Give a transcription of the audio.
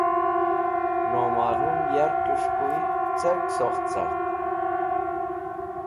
Nomalum yarkẽs̃h koy cẽr sokt cart?